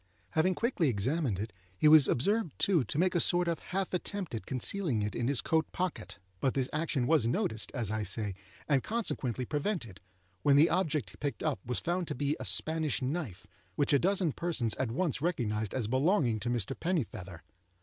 Having quickly examined it he was observed, too, to make a sort of half attempt at concealing it in his coat pocket; but this action was noticed, as I say, and consequently prevented, when the object picked up was found to be a Spanish knife which a dozen persons at once recognized as belonging to Mr. Pennifeather.